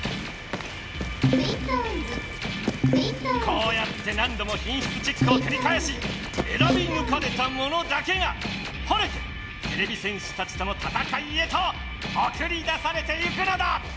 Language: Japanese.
こうやって何どもひんしつチェックをくりかえしえらびぬかれたものだけが晴れててれび戦士たちとのたたかいへとおくりだされてゆくのだ！